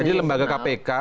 jadi lembaga kpk